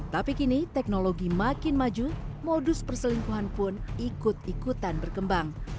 tapi kini teknologi makin maju modus perselingkuhan pun ikut ikutan berkembang